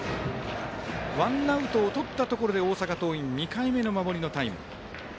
ワンアウトとったところで大阪桐蔭、２回目の守りのタイム。